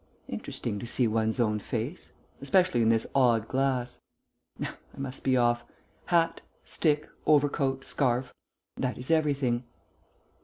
Interesting, to see one's own face. Especially in this odd glass. Now I must be off. Hat, stick, overcoat, scarf that is everything."